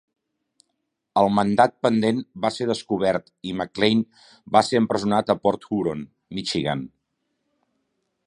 El mandat pendent va ser descobert i McLain va ser empresonat a Port Huron, Michigan.